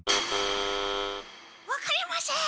わかりません。